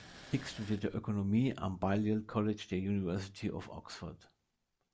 Hicks studierte Ökonomie am Balliol College der University of Oxford.